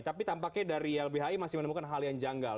tapi tampaknya dari lbhi masih menemukan hal yang janggal